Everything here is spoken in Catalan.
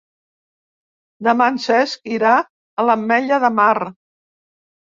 Demà en Cesc irà a l'Ametlla de Mar.